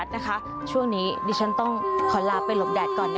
สวัสดีครับ